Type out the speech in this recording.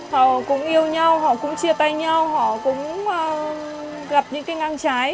họ cũng yêu nhau họ cũng chia tay nhau họ cũng gặp những cái ngang trái